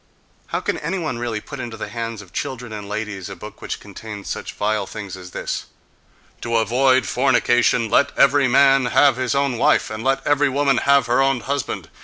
How can any one really put into the hands of children and ladies a book which contains such vile things as this: "to avoid fornication, let every man have his own wife, and let every woman have her own husband